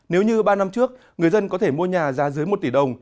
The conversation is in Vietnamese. nếu như ba năm trước người dân có thể mua nhà giá dưới một tỷ đồng